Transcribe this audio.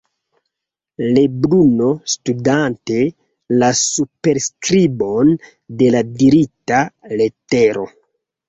Lebruno, studante la superskribon de la dirita letero.